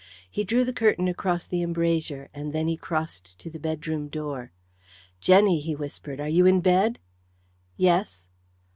He drew the curtain across the embrasure, and then he crossed to the bedroom door. "Jenny," he whispered, "are you in bed?" "Yes."